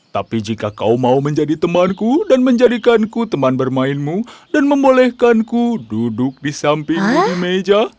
tapi jika kau mau menjadi temanku dan menjadikanku teman bermainmu dan membolehkanku duduk di samping kiri meja